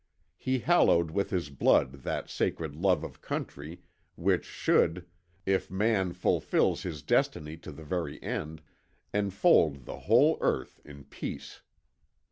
He hallowed with his blood that sacred love of country which should (if man fulfils his destiny to the very end) enfold the whole earth in peace.